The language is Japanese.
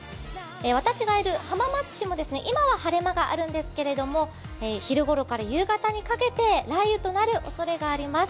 私がいる浜松市も今は晴れ間があるんですけれども、昼頃から夕方にかけて雷雨となるおそれがあります。